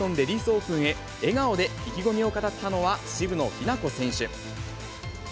オープンへ、笑顔で意気込みを語ったのは、渋野日向子選手。